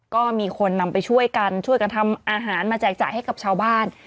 ก็มีคนนำไปช่วยกันช่วยกันทำอาหารมาแจกจ่ายให้กับชาวบ้าน